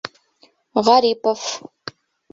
Ғарипов